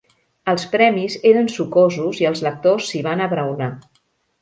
Els premis eren sucosos i els lectors s'hi van abraonar.